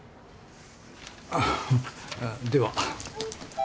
あっでは。